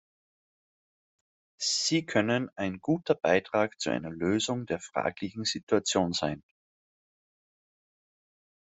Sie können ein guter Beitrag zu einer Lösung der fraglichen Situation sein.